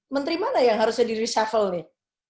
menteri mana yang harusnya di reshuffle nih